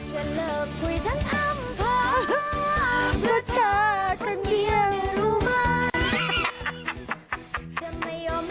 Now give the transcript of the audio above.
อยากกันเยี่ยม